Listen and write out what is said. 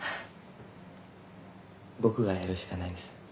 僕がやるしかないんです。